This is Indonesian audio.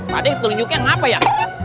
pade tulenjuknya ngapa ya